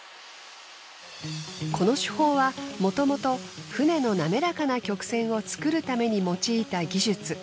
この手法はもともと船の滑らかな曲線を作るために用いた技術。